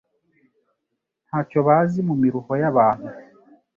nta cyo bazi mu miruho y’abantu